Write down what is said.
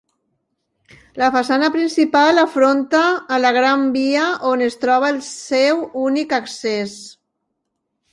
La façana principal afronta a la Gran Via on es troba el seu únic accés.